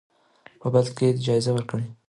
په بدل کې یې جایزه ورکړئ.